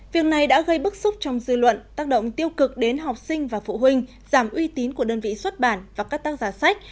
việc này đã gây bức xúc trong dư luận tác động tiêu cực đến học sinh và phụ huynh giảm uy tín của đơn vị xuất bản và các tác giả sách